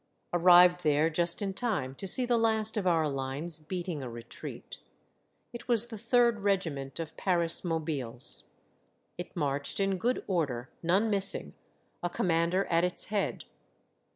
Arrived there just in time to see the last of our lines beating a retreat. It was the Third Regiment of Paris mobiles. It marched in good order, none missing, a commander at its head.